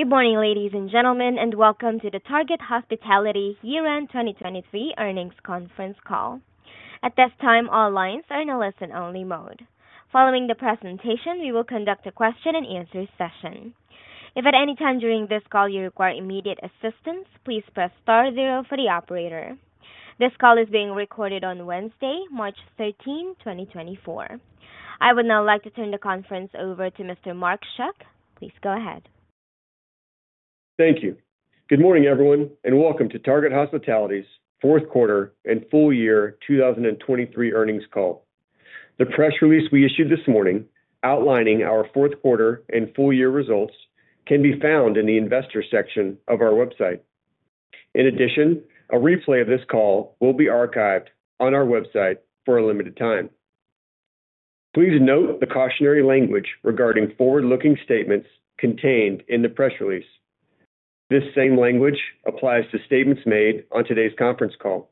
Good morning, ladies and gentlemen, and welcome to the Target Hospitality Year-End 2023 Earnings Conference call. At this time, all lines are in a listen-only mode. Following the presentation, we will conduct a question-and-answer session. If at any time during this call you require immediate assistance, please press star 0 for the operator. This call is being recorded on Wednesday, March 13, 2024. I would now like to turn the conference over to Mr. Mark Schuck. Please go ahead. Thank you. Good morning, everyone, and welcome to Target Hospitality's fourth quarter and full year 2023 earnings call. The press release we issued this morning outlining our fourth quarter and full year results can be found in the investor section of our website. In addition, a replay of this call will be archived on our website for a limited time. Please note the cautionary language regarding forward-looking statements contained in the press release. This same language applies to statements made on today's conference call.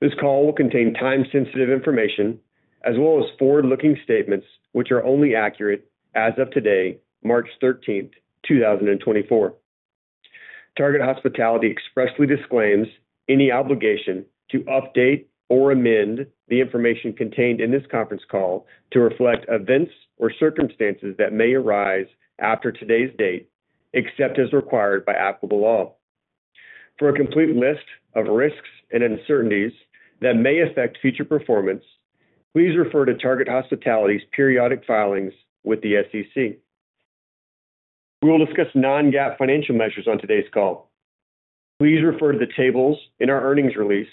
This call will contain time-sensitive information as well as forward-looking statements which are only accurate as of today, March 13, 2024. Target Hospitality expressly disclaims any obligation to update or amend the information contained in this conference call to reflect events or circumstances that may arise after today's date, except as required by applicable law. For a complete list of risks and uncertainties that may affect future performance, please refer to Target Hospitality's periodic filings with the SEC. We will discuss non-GAAP financial measures on today's call. Please refer to the tables in our earnings release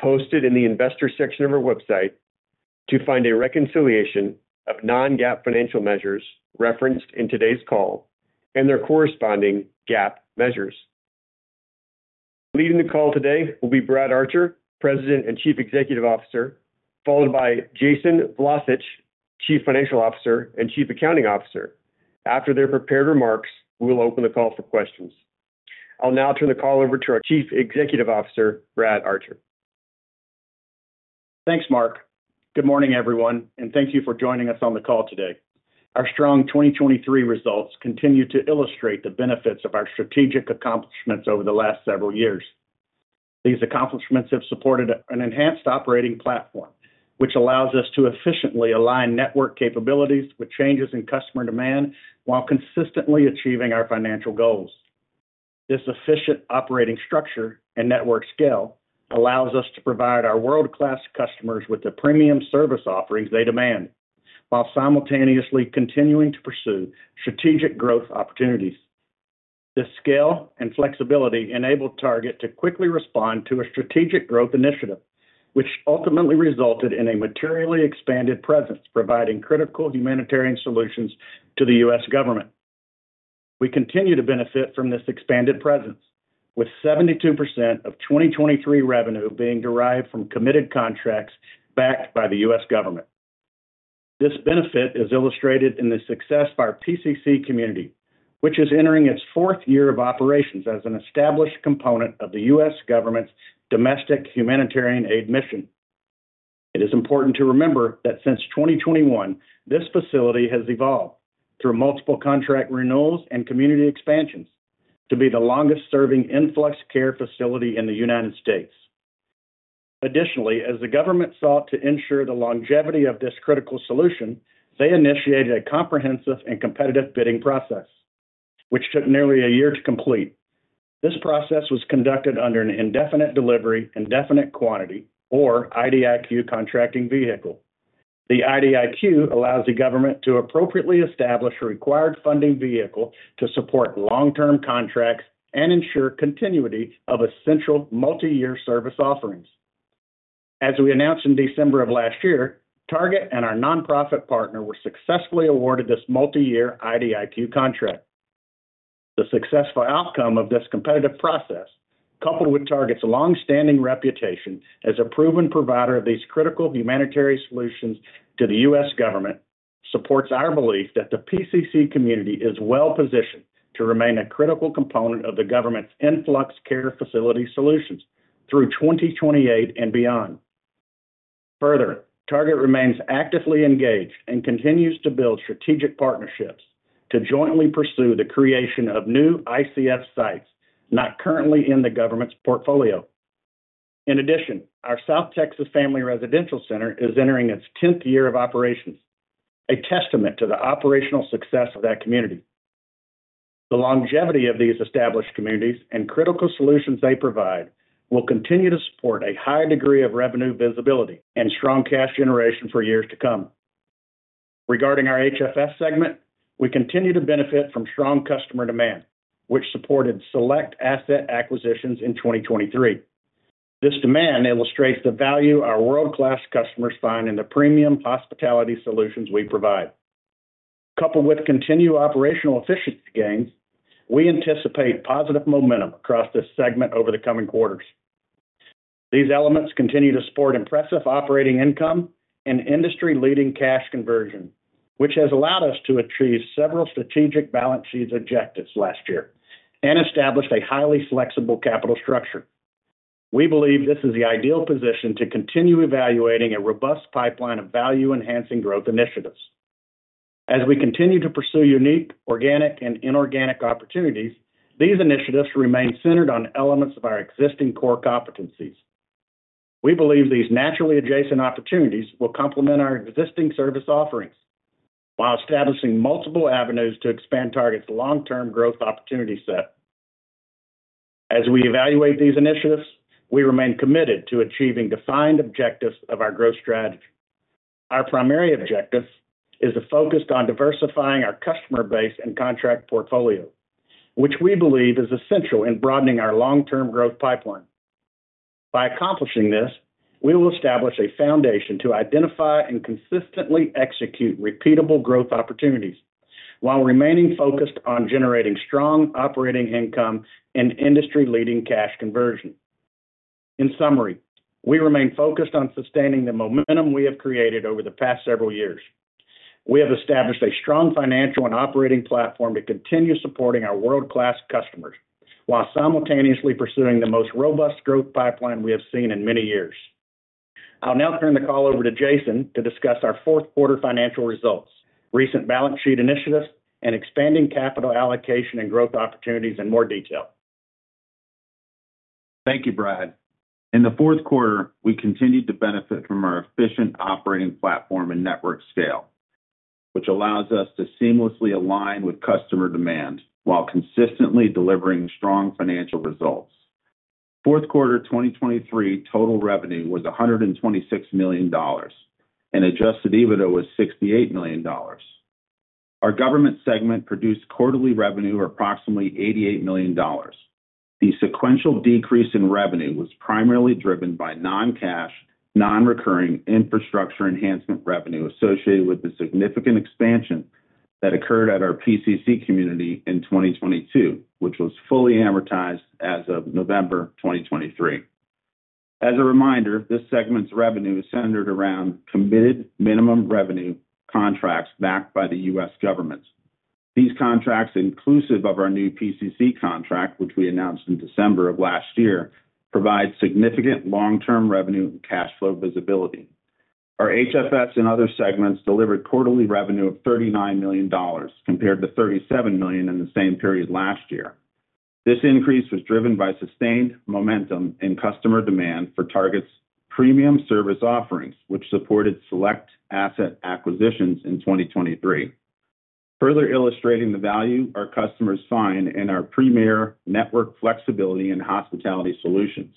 posted in the investor section of our website to find a reconciliation of non-GAAP financial measures referenced in today's call and their corresponding GAAP measures. Leading the call today will be Brad Archer, President and Chief Executive Officer, followed by Jason Vlacich, Chief Financial Officer and Chief Accounting Officer. After their prepared remarks, we will open the call for questions. I'll now turn the call over to our Chief Executive Officer, Brad Archer. Thanks, Mark. Good morning, everyone, and thank you for joining us on the call today. Our strong 2023 results continue to illustrate the benefits of our strategic accomplishments over the last several years. These accomplishments have supported an enhanced operating platform which allows us to efficiently align network capabilities with changes in customer demand while consistently achieving our financial goals. This efficient operating structure and network scale allows us to provide our world-class customers with the premium service offerings they demand while simultaneously continuing to pursue strategic growth opportunities. This scale and flexibility enable Target to quickly respond to a strategic growth initiative which ultimately resulted in a materially expanded presence providing critical humanitarian solutions to the U.S. government. We continue to benefit from this expanded presence, with 72% of 2023 revenue being derived from committed contracts backed by the U.S. government. This benefit is illustrated in the success of our PCC Community, which is entering its fourth year of operations as an established component of the U.S. government's domestic humanitarian aid mission. It is important to remember that since 2021, this facility has evolved through multiple contract renewals and community expansions to be the longest-serving influx care facility in the United States. Additionally, as the government sought to ensure the longevity of this critical solution, they initiated a comprehensive and competitive bidding process which took nearly a year to complete. This process was conducted under an indefinite delivery indefinite quantity or IDIQ contracting vehicle. The IDIQ allows the government to appropriately establish a required funding vehicle to support long-term contracts and ensure continuity of essential multi-year service offerings. As we announced in December of last year, Target and our nonprofit partner were successfully awarded this multi-year IDIQ contract. The successful outcome of this competitive process, coupled with Target's longstanding reputation as a proven provider of these critical humanitarian solutions to the U.S. government, supports our belief that the PCC Community is well positioned to remain a critical component of the government's influx care facility solutions through 2028 and beyond. Further, Target remains actively engaged and continues to build strategic partnerships to jointly pursue the creation of new ICF sites not currently in the government's portfolio. In addition, our South Texas Family Residential Center is entering its 10th year of operations, a testament to the operational success of that community. The longevity of these established communities and critical solutions they provide will continue to support a high degree of revenue visibility and strong cash generation for years to come. Regarding our HFS Segment, we continue to benefit from strong customer demand which supported select asset acquisitions in 2023. This demand illustrates the value our world-class customers find in the premium hospitality solutions we provide. Coupled with continued operational efficiency gains, we anticipate positive momentum across this segment over the coming quarters. These elements continue to support impressive operating income and industry-leading cash conversion, which has allowed us to achieve several strategic balance sheet objectives last year and established a highly flexible capital structure. We believe this is the ideal position to continue evaluating a robust pipeline of value-enhancing growth initiatives. As we continue to pursue unique organic and inorganic opportunities, these initiatives remain centered on elements of our existing core competencies. We believe these naturally adjacent opportunities will complement our existing service offerings while establishing multiple avenues to expand Target's long-term growth opportunity set. As we evaluate these initiatives, we remain committed to achieving defined objectives of our growth strategy. Our primary objective is focused on diversifying our customer base and contract portfolio, which we believe is essential in broadening our long-term growth pipeline. By accomplishing this, we will establish a foundation to identify and consistently execute repeatable growth opportunities while remaining focused on generating strong operating income and industry-leading cash conversion. In summary, we remain focused on sustaining the momentum we have created over the past several years. We have established a strong financial and operating platform to continue supporting our world-class customers while simultaneously pursuing the most robust growth pipeline we have seen in many years. I'll now turn the call over to Jason to discuss our fourth quarter financial results, recent balance sheet initiatives, and expanding capital allocation and growth opportunities in more detail. Thank you, Brad. In the fourth quarter, we continued to benefit from our efficient operating platform and network scale, which allows us to seamlessly align with customer demand while consistently delivering strong financial results. Fourth quarter 2023 total revenue was $126 million and Adjusted EBITDA was $68 million. Our government segment produced quarterly revenue of approximately $88 million. The sequential decrease in revenue was primarily driven by non-cash, non-recurring infrastructure enhancement revenue associated with the significant expansion that occurred at our PCC Community in 2022, which was fully amortized as of November 2023. As a reminder, this segment's revenue is centered around committed minimum revenue contracts backed by the U.S. government. These contracts, inclusive of our new PCC contract, which we announced in December of last year, provide significant long-term revenue and cash flow visibility. Our HFS and other segments delivered quarterly revenue of $39 million compared to $37 million in the same period last year. This increase was driven by sustained momentum in customer demand for Target's premium service offerings, which supported select asset acquisitions in 2023. Further illustrating the value our customers find in our premier network flexibility and hospitality solutions.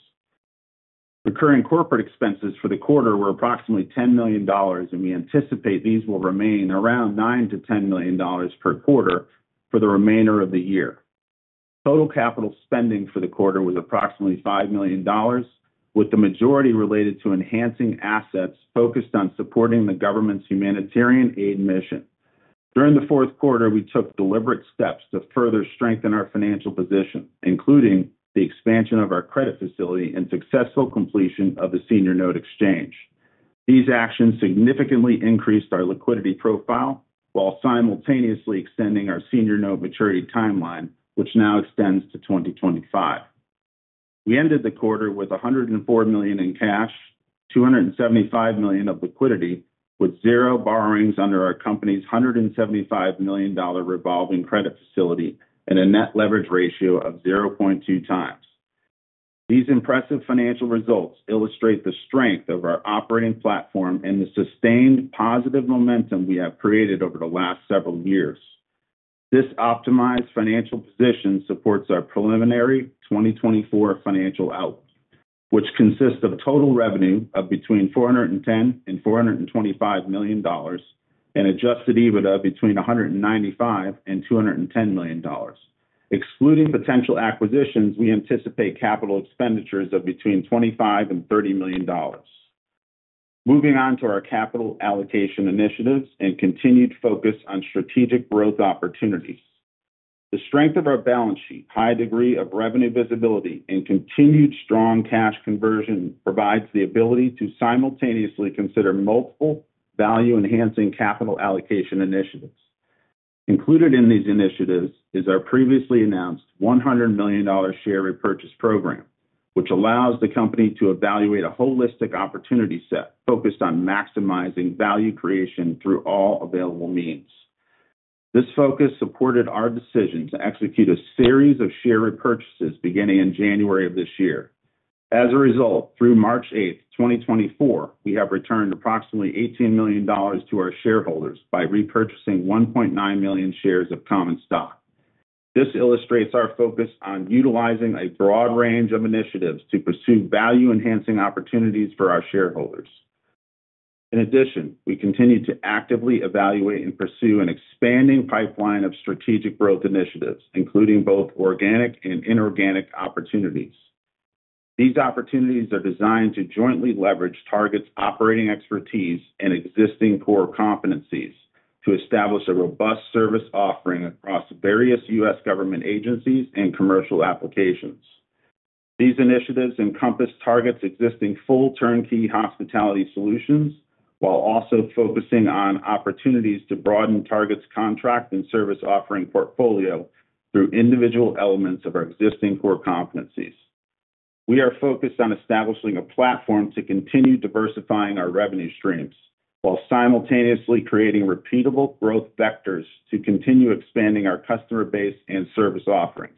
Recurring corporate expenses for the quarter were approximately $10 million, and we anticipate these will remain around $9-$10 million per quarter for the remainder of the year. Total capital spending for the quarter was approximately $5 million, with the majority related to enhancing assets focused on supporting the government's humanitarian aid mission. During the fourth quarter, we took deliberate steps to further strengthen our financial position, including the expansion of our credit facility and successful completion of the senior note exchange. These actions significantly increased our liquidity profile while simultaneously extending our senior note maturity timeline, which now extends to 2025. We ended the quarter with $104 million in cash, $275 million of liquidity, with zero borrowings under our company's $175 million revolving credit facility and a Net Leverage Ratio of 0.2 times. These impressive financial results illustrate the strength of our operating platform and the sustained positive momentum we have created over the last several years. This optimized financial position supports our preliminary 2024 financial outlook, which consists of total revenue of between $410 and $425 million and Adjusted EBITDA between $195 and $210 million. Excluding potential acquisitions, we anticipate capital expenditures of between $25 and $30 million. Moving on to our capital allocation initiatives and continued focus on strategic growth opportunities. The strength of our balance sheet, high degree of revenue visibility, and continued strong cash conversion provides the ability to simultaneously consider multiple value-enhancing capital allocation initiatives. Included in these initiatives is our previously announced $100 million share repurchase program, which allows the company to evaluate a holistic opportunity set focused on maximizing value creation through all available means. This focus supported our decision to execute a series of share repurchases beginning in January of this year. As a result, through March 8th, 2024, we have returned approximately $18 million to our shareholders by repurchasing 1.9 million shares of common stock. This illustrates our focus on utilizing a broad range of initiatives to pursue value-enhancing opportunities for our shareholders. In addition, we continue to actively evaluate and pursue an expanding pipeline of strategic growth initiatives, including both organic and inorganic opportunities. These opportunities are designed to jointly leverage Target's operating expertise and existing core competencies to establish a robust service offering across various U.S. government agencies and commercial applications. These initiatives encompass Target's existing full turnkey hospitality solutions while also focusing on opportunities to broaden Target's contract and service offering portfolio through individual elements of our existing core competencies. We are focused on establishing a platform to continue diversifying our revenue streams while simultaneously creating repeatable growth vectors to continue expanding our customer base and service offerings.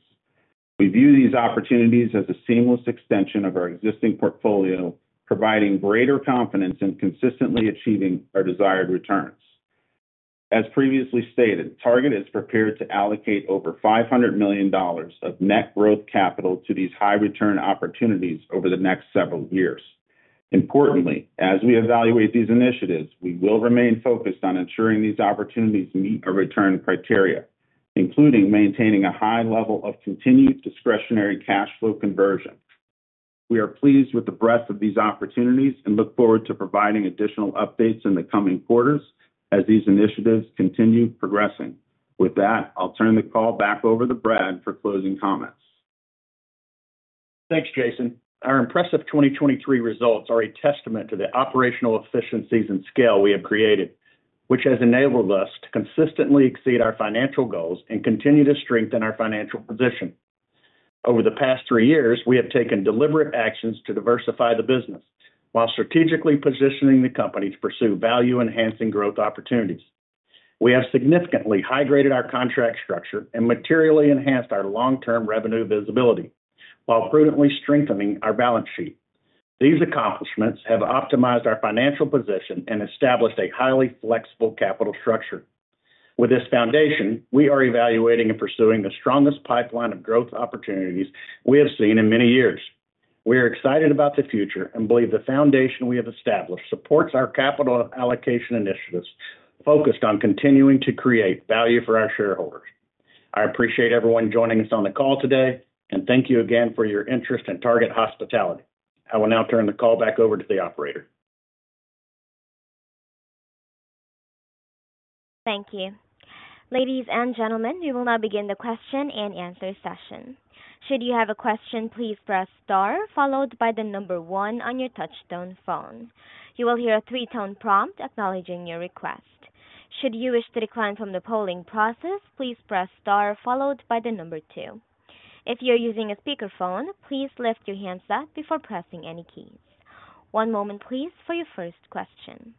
We view these opportunities as a seamless extension of our existing portfolio, providing greater confidence in consistently achieving our desired returns. As previously stated, Target is prepared to allocate over $500 million of net growth capital to these high-return opportunities over the next several years. Importantly, as we evaluate these initiatives, we will remain focused on ensuring these opportunities meet our return criteria, including maintaining a high level of continued discretionary cash flow conversion. We are pleased with the breadth of these opportunities and look forward to providing additional updates in the coming quarters as these initiatives continue progressing. With that, I'll turn the call back over to Brad for closing comments. Thanks, Jason. Our impressive 2023 results are a testament to the operational efficiencies and scale we have created, which has enabled us to consistently exceed our financial goals and continue to strengthen our financial position. Over the past three years, we have taken deliberate actions to diversify the business while strategically positioning the company to pursue value-enhancing growth opportunities. We have significantly high-graded our contract structure and materially enhanced our long-term revenue visibility while prudently strengthening our balance sheet. These accomplishments have optimized our financial position and established a highly flexible capital structure. With this foundation, we are evaluating and pursuing the strongest pipeline of growth opportunities we have seen in many years. We are excited about the future and believe the foundation we have established supports our capital allocation initiatives focused on continuing to create value for our shareholders. I appreciate everyone joining us on the call today, and thank you again for your interest in Target Hospitality. I will now turn the call back over to the operator. Thank you. Ladies and gentlemen, we will now begin the question and answer session. Should you have a question, please press star followed by the number 1 on your touch-tone phone. You will hear a 3-tone prompt acknowledging your request. Should you wish to decline from the polling process, please press star followed by the number 2. If you're using a speakerphone, please lift your handset before pressing any keys. One moment, please, for your first question.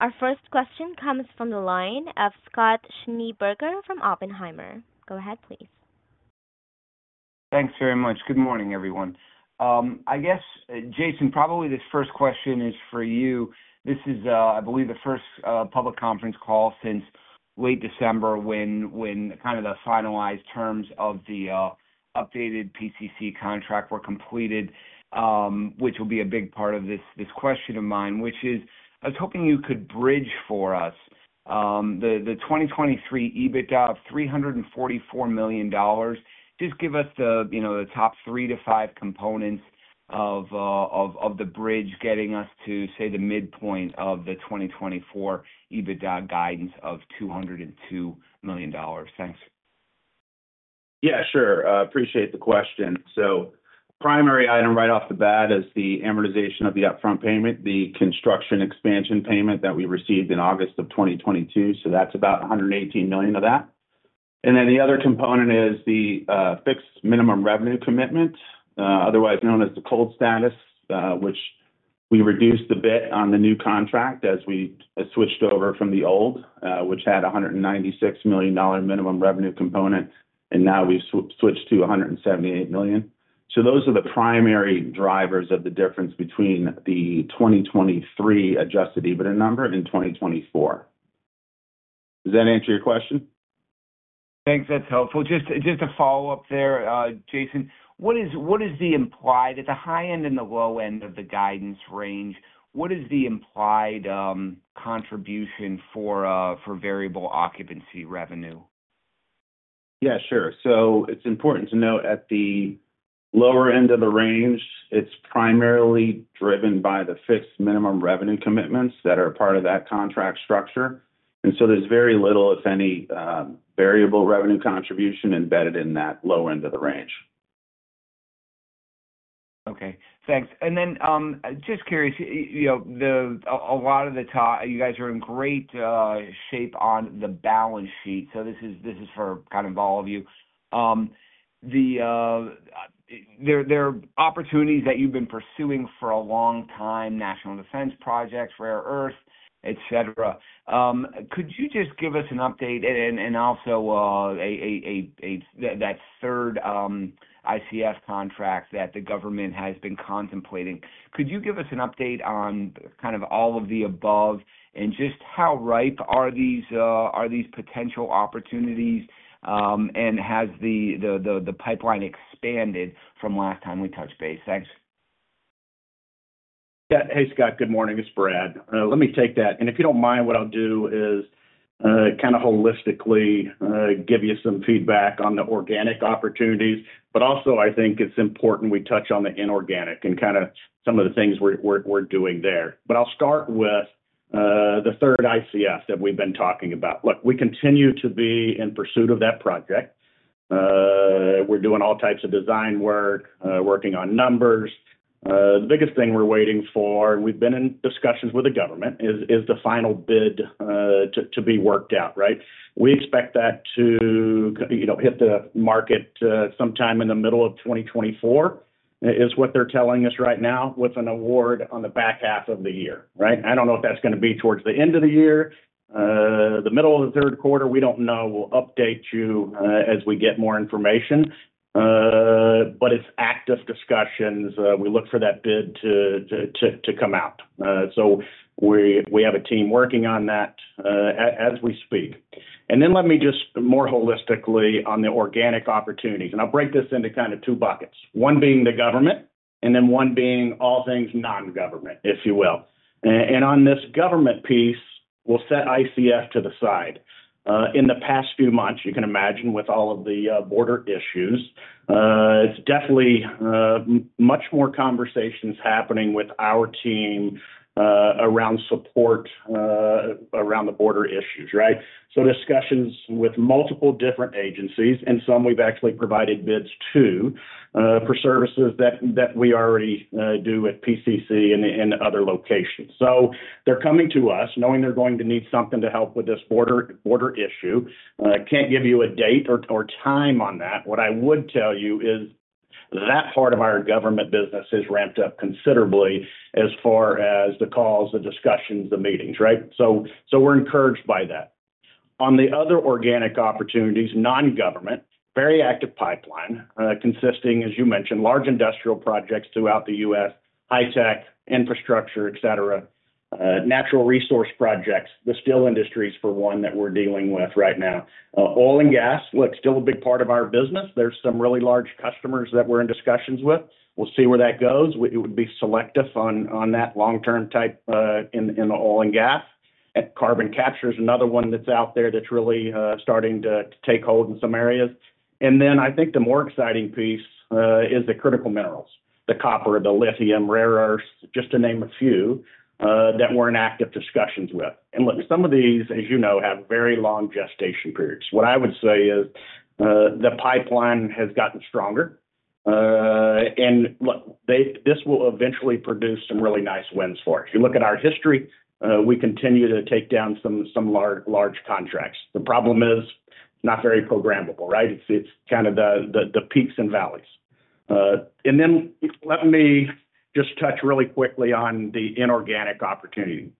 Our first question comes from the line of Scott Schneeberger from Oppenheimer. Go ahead, please. Thanks very much. Good morning, everyone. I guess, Jason, probably this first question is for you. This is, I believe, the first public conference call since late December when kind of the finalized terms of the updated PCC contract were completed, which will be a big part of this question of mine, which is I was hoping you could bridge for us the 2023 EBITDA of $344 million. Just give us the top 3-5 components of the bridge getting us to, say, the midpoint of the 2024 EBITDA guidance of $202 million. Thanks. Yeah, sure. Appreciate the question. So primary item right off the bat is the amortization of the upfront payment, the construction expansion payment that we received in August of 2022. So that's about $118 million of that. And then the other component is the fixed minimum revenue commitment, otherwise known as the cold status, which we reduced a bit on the new contract as we switched over from the old, which had a $196 million minimum revenue component, and now we've switched to $178 million. So those are the primary drivers of the difference between the 2023 Adjusted EBITDA number and 2024. Does that answer your question? Thanks. That's helpful. Just a follow-up there, Jason. What is the implied at the high end and the low end of the guidance range, what is the implied contribution for variable occupancy revenue? Yeah, sure. So it's important to note at the lower end of the range, it's primarily driven by the fixed minimum revenue commitments that are part of that contract structure. And so there's very little, if any, variable revenue contribution embedded in that low end of the range. Okay. Thanks. And then just curious, a lot of you guys are in great shape on the balance sheet. So this is for kind of all of you. There are opportunities that you've been pursuing for a long time, national defense projects, rare earth, etc. Could you just give us an update and also that third ICF contract that the government has been contemplating? Could you give us an update on kind of all of the above and just how ripe are these potential opportunities, and has the pipeline expanded from last time we touched base? Thanks. Yeah. Hey, Scott. Good morning. It's Brad. Let me take that. And if you don't mind, what I'll do is kind of holistically give you some feedback on the organic opportunities. But also, I think it's important we touch on the inorganic and kind of some of the things we're doing there. But I'll start with the third ICF that we've been talking about. Look, we continue to be in pursuit of that project. We're doing all types of design work, working on numbers. The biggest thing we're waiting for, and we've been in discussions with the government, is the final bid to be worked out, right? We expect that to hit the market sometime in the middle of 2024, is what they're telling us right now, with an award on the back half of the year, right? I don't know if that's going to be towards the end of the year. The middle of the third quarter, we don't know, we'll update you as we get more information. But it's active discussions. We look for that bid to come out. So we have a team working on that as we speak. And then let me just more holistically on the organic opportunities. And I'll break this into kind of two buckets, one being the government and then one being all things non-government, if you will. And on this government piece, we'll set ICF to the side. In the past few months, you can imagine, with all of the border issues, it's definitely much more conversations happening with our team around support around the border issues, right? So discussions with multiple different agencies, and some we've actually provided bids to for services that we already do at PCC and other locations. So they're coming to us knowing they're going to need something to help with this border issue. Can't give you a date or time on that. What I would tell you is that part of our government business has ramped up considerably as far as the calls, the discussions, the meetings, right? So we're encouraged by that. On the other organic opportunities, non-government, very active pipeline consisting, as you mentioned, large industrial projects throughout the U.S., high-tech infrastructure, etc., natural resource projects, the steel industries, for one, that we're dealing with right now. Oil and gas, look, still a big part of our business. There's some really large customers that we're in discussions with. We'll see where that goes. It would be selective on that long-term type in the oil and gas. Carbon capture is another one that's out there that's really starting to take hold in some areas. And then I think the more exciting piece is the critical minerals, the copper, the lithium, rare earths, just to name a few that we're in active discussions with. And look, some of these, as you know, have very long gestation periods. What I would say is the pipeline has gotten stronger. And look, this will eventually produce some really nice wins for us. If you look at our history, we continue to take down some large contracts. The problem is it's not very programmable, right? It's kind of the peaks and valleys. And then let me just touch really quickly on the inorganic opportunity.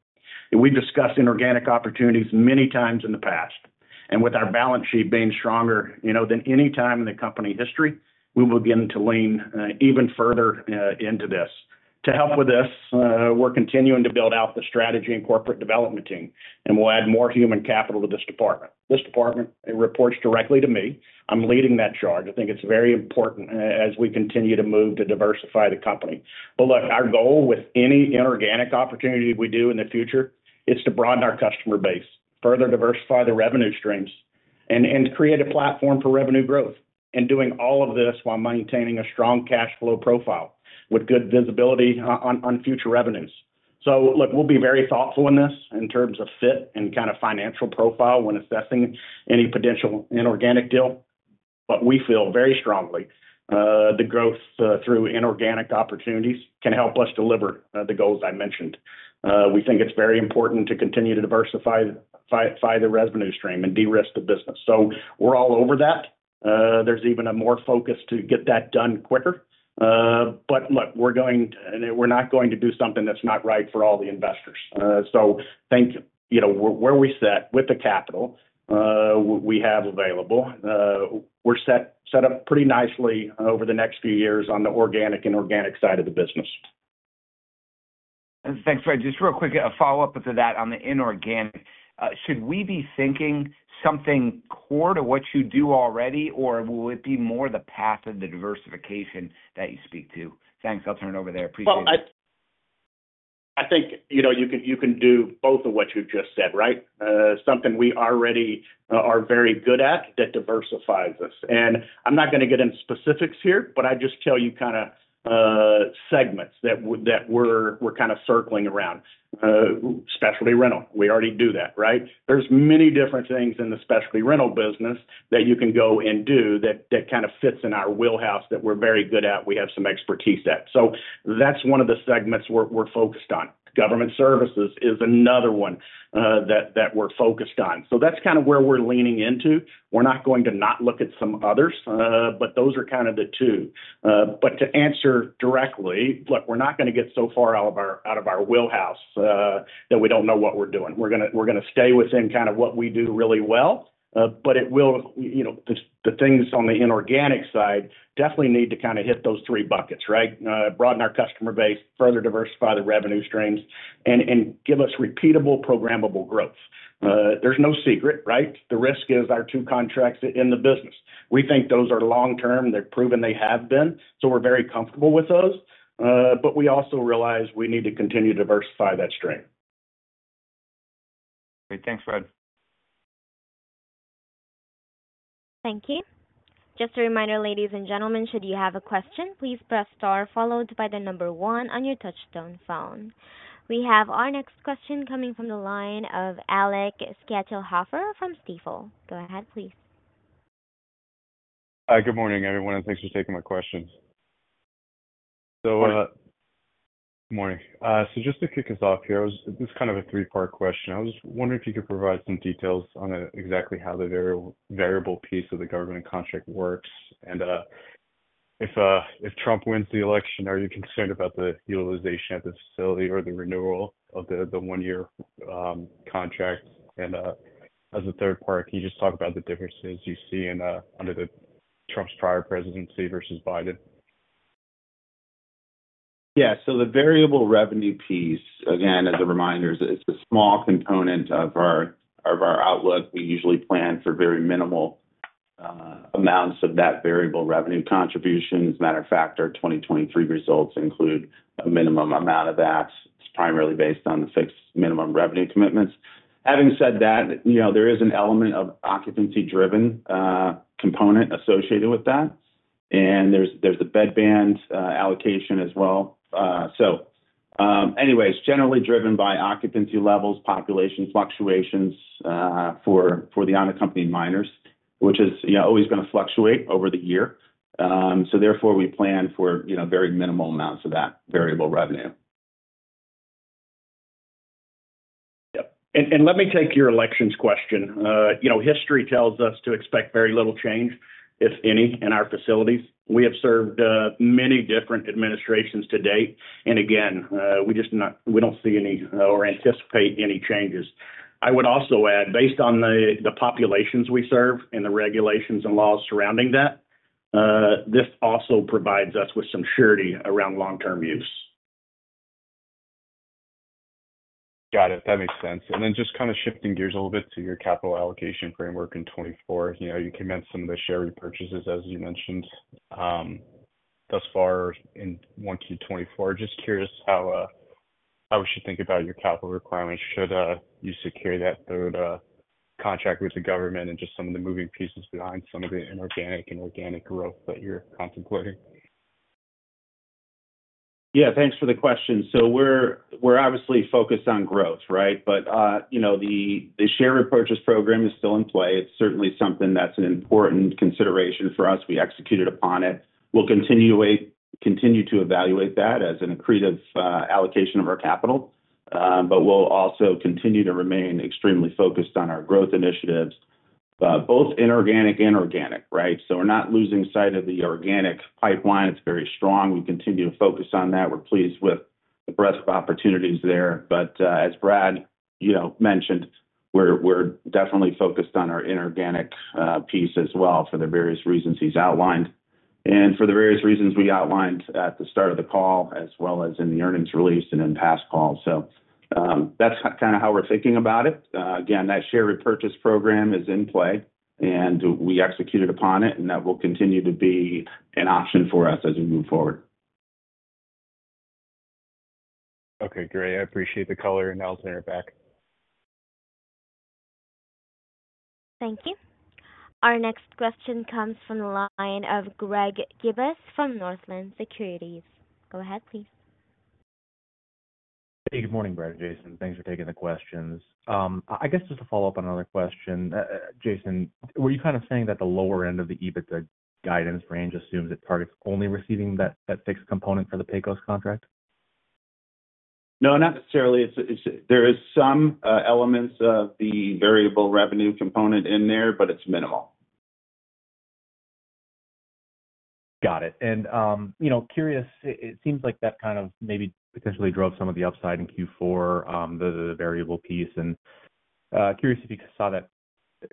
We've discussed inorganic opportunities many times in the past. And with our balance sheet being stronger than any time in the company history, we will begin to lean even further into this. To help with this, we're continuing to build out the strategy and corporate development team, and we'll add more human capital to this department. This department, it reports directly to me. I'm leading that charge. I think it's very important as we continue to move to diversify the company. But look, our goal with any inorganic opportunity we do in the future, it's to broaden our customer base, further diversify the revenue streams, and create a platform for revenue growth, and doing all of this while maintaining a strong cash flow profile with good visibility on future revenues. So look, we'll be very thoughtful in this in terms of fit and kind of financial profile when assessing any potential inorganic deal. But we feel very strongly the growth through inorganic opportunities can help us deliver the goals I mentioned. We think it's very important to continue to diversify the revenue stream and de-risk the business. So we're all over that. There's even more focus to get that done quicker. But look, we're going to and we're not going to do something that's not right for all the investors. So think where we sit with the capital we have available, we're set up pretty nicely over the next few years on the organic and organic side of the business. Thanks, Fred. Just real quick, a follow-up to that on the inorganic. Should we be thinking something core to what you do already, or will it be more the path of the diversification that you speak to? Thanks. I'll turn it over there. Appreciate it. Well, I think you can do both of what you've just said, right? Something we already are very good at that diversifies us. I'm not going to get into specifics here, but I just tell you kind of segments that we're kind of circling around, specialty rental. We already do that, right? There's many different things in the specialty rental business that you can go and do that kind of fits in our wheelhouse that we're very good at. We have some expertise at. That's one of the segments we're focused on. Government services is another one that we're focused on. That's kind of where we're leaning into. We're not going to not look at some others, but those are kind of the two. To answer directly, look, we're not going to get so far out of our wheelhouse that we don't know what we're doing. We're going to stay within kind of what we do really well, but the things on the inorganic side definitely need to kind of hit those three buckets, right? Broaden our customer base, further diversify the revenue streams, and give us repeatable, programmable growth. There's no secret, right? The risk is our two contracts in the business. We think those are long-term. They're proven they have been. So we're very comfortable with those. But we also realize we need to continue to diversify that stream. Great. Thanks, Fred. Thank you. Just a reminder, ladies and gentlemen, should you have a question, please press star followed by the number one on your touch-tone phone. We have our next question coming from the line of Alec Schezza from Stifel. Go ahead, please. Good morning, everyone, and thanks for taking my question. So good morning. So just to kick us off here, this is kind of a three-part question. I was wondering if you could provide some details on exactly how the variable piece of the government contract works. And if Trump wins the election, are you concerned about the utilization at the facility or the renewal of the one-year contract? And as a third part, can you just talk about the differences you see under Trump's prior presidency versus Biden? Yeah. So the variable revenue piece, again, as a reminder, it's a small component of our outlook. We usually plan for very minimal amounts of that variable revenue contribution. As a matter of fact, our 2023 results include a minimum amount of that. It's primarily based on the fixed minimum revenue commitments. Having said that, there is an element of occupancy-driven component associated with that. And there's the bedband allocation as well. So anyways, generally driven by occupancy levels, population fluctuations for the unaccompanied minors, which is always going to fluctuate over the year. So therefore, we plan for very minimal amounts of that variable revenue. Yep. And let me take your elections question. History tells us to expect very little change, if any, in our facilities. We have served many different administrations to date. And again, we don't see any or anticipate any changes. I would also add, based on the populations we serve and the regulations and laws surrounding that, this also provides us with some surety around long-term use. Got it. That makes sense. And then just kind of shifting gears a little bit to your capital allocation framework in 2024. You commenced some of the share repurchases, as you mentioned, thus far in 2024. Just curious how we should think about your capital requirements. Should you secure that third contract with the government and just some of the moving pieces behind some of the inorganic and organic growth that you're contemplating? Yeah. Thanks for the question. So we're obviously focused on growth, right? But the share repurchase program is still in play. It's certainly something that's an important consideration for us. We executed upon it. We'll continue to evaluate that as an accretive allocation of our capital. But we'll also continue to remain extremely focused on our growth initiatives, both inorganic and organic, right? So we're not losing sight of the organic pipeline. It's very strong. We continue to focus on that. We're pleased with the breadth of opportunities there. But as Brad mentioned, we're definitely focused on our inorganic piece as well for the various reasons he's outlined and for the various reasons we outlined at the start of the call as well as in the earnings release and in past calls. So that's kind of how we're thinking about it. Again, that share repurchase program is in play, and we executed upon it, and that will continue to be an option for us as we move forward. Okay. Great. I appreciate the color, and now I'll turn it back. Thank you. Our next question comes from the line of Greg Gibas from Northland Securities. Go ahead, please. Hey, good morning, Brad and Jason. Thanks for taking the questions. I guess just to follow up on another question, Jason, were you kind of saying that the lower end of the EBITDA guidance range assumes it targets only receiving that fixed component for the Pecos contract? No, not necessarily. There are some elements of the variable revenue component in there, but it's minimal. Got it. And, curious, it seems like that kind of maybe potentially drove some of the upside in Q4, the variable piece. And, curious, if you saw that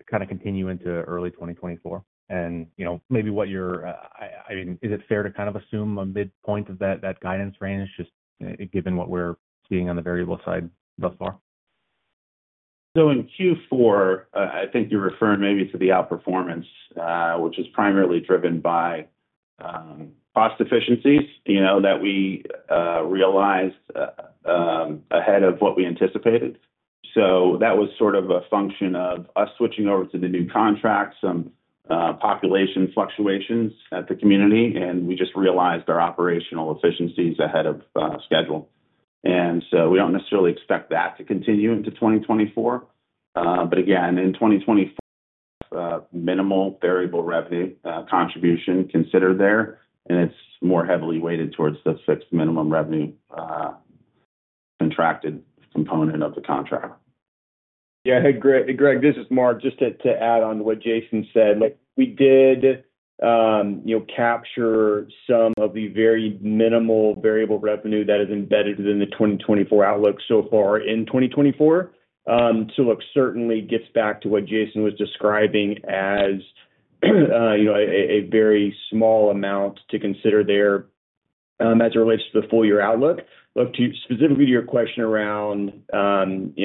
kind of continue into early 2024 and maybe what you're—I mean, is it fair to kind of assume a midpoint of that guidance range, just given what we're seeing on the variable side thus far? In Q4, I think you're referring maybe to the outperformance, which is primarily driven by cost efficiencies that we realized ahead of what we anticipated. That was sort of a function of us switching over to the new contract, some population fluctuations at the community, and we just realized our operational efficiencies ahead of schedule. So we don't necessarily expect that to continue into 2024. But again, in 2024, minimal variable revenue contribution considered there, and it's more heavily weighted towards the fixed minimum revenue contracted component of the contract. Yeah. Hey, Greg, this is Mark. Just to add on to what Jason said, we did capture some of the very minimal variable revenue that is embedded within the 2024 outlook so far in 2024. So look, certainly gets back to what Jason was describing as a very small amount to consider there as it relates to the full-year outlook. Specifically to your question around kind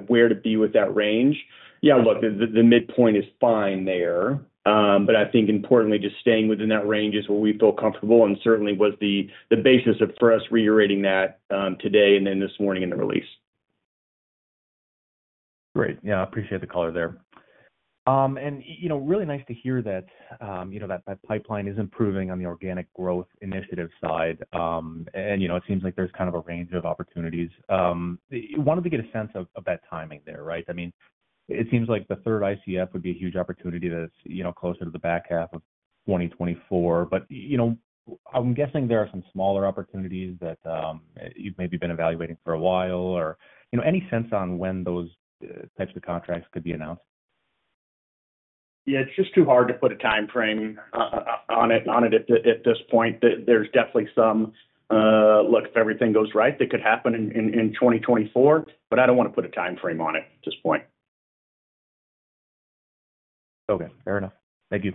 of where to be with that range, yeah, look, the midpoint is fine there. But I think importantly, just staying within that range is where we feel comfortable and certainly was the basis for us reiterating that today and then this morning in the release. Great. Yeah. I appreciate the color there. And really nice to hear that that pipeline is improving on the organic growth initiative side. And it seems like there's kind of a range of opportunities. I wanted to get a sense of that timing there, right? I mean, it seems like the third ICF would be a huge opportunity that's closer to the back half of 2024. But I'm guessing there are some smaller opportunities that you've maybe been evaluating for a while or any sense on when those types of contracts could be announced? Yeah. It's just too hard to put a timeframe on it at this point. There's definitely some, look, if everything goes right, that could happen in 2024, but I don't want to put a timeframe on it at this point. Okay. Fair enough. Thank you.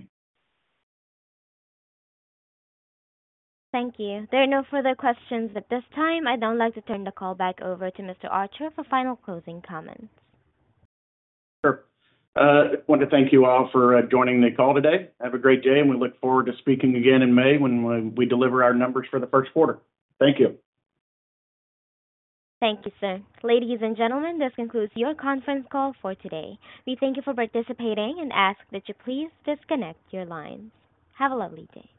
Thank you. There are no further questions at this time. I'd now like to turn the call back over to Mr. Archer for final closing comments. Sure. I want to thank you all for joining the call today. Have a great day, and we look forward to speaking again in May when we deliver our numbers for the first quarter. Thank you. Thank you, sir. Ladies and gentlemen, this concludes your conference call for today. We thank you for participating and ask that you please disconnect your lines. Have a lovely day.